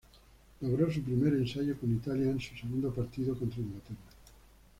Logró su primer ensayo con Italia en su segundo partido, contra Inglaterra.